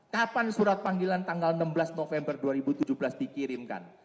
kapan surat panggilan tanggal enam belas november dua ribu tujuh belas dikirimkan